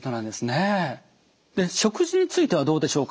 で食事についてはどうでしょうか。